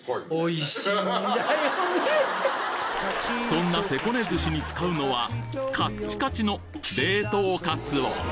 そんなてこね寿司に使うのはカッチカチの冷凍カツオ